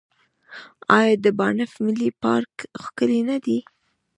آیا د بانف ملي پارک ښکلی نه دی؟